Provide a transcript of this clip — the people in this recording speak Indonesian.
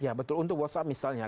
ya betul untuk whatsapp misalnya